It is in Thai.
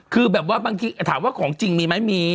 คือแบบว่าบางทีถามว่าของจริงมีไหมมี